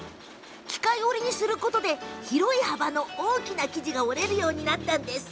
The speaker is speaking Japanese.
機械織りにすることで広い幅の大きな生地が織れるようになったのです。